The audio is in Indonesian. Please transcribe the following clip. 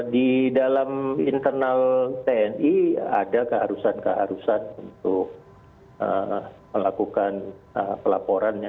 di dalam internal tni ada keharusan keharusan untuk melakukan pelaporan ya